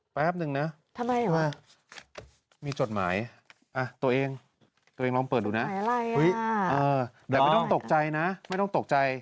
แป๊บนึงนะทำไมมีจดหมายตัวเองตัวเองลองเปิดดูนะแต่ไม่ต้องตกใจนะไม่ต้องตกใจ